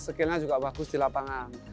skillnya juga bagus di lapangan